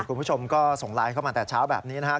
คุณผู้ชมก็ส่งไลน์เข้ามาแต่เช้าแบบนี้นะครับ